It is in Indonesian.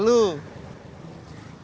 atau pasang bank